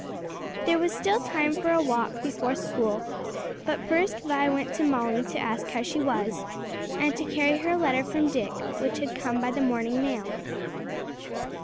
There was still time for a walk before school, but first Vi went to Molly to ask how she was, and to carry her a letter from Dick which had come by the morning mail.